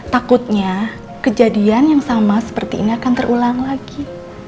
takutnya kejadian yang sama seperti ini akan terulang lagi